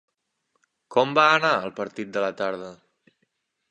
Com va anar el partit de la tarda?